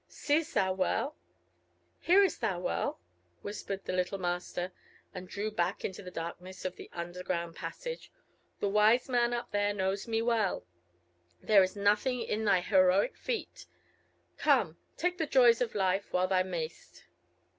"Seest thou well? hearest thou well?" whispered the little Master, and drew back into the darkness of the underground passage. "The wise man up there knows me well. There was nothing in thy heroic feat. Come, take the joys of life while thou mayst."